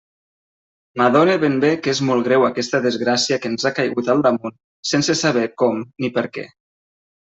M'adone ben bé que és molt greu aquesta desgràcia que ens ha caigut al damunt sense saber com ni per què.